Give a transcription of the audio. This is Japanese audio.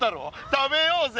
食べようぜ！